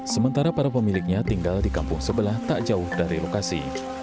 sementara para pemiliknya tinggal di kampung sebelah tak jauh dari lokasi